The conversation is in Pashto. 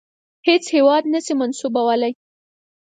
هیڅ هیواد نه سي منسوبولای.